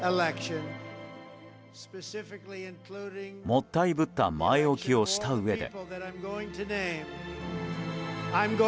もったいぶった前置きをしたうえで。